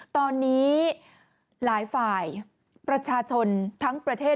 ตอนนี้หลายฝ่ายประชาชนทั้งประเทศ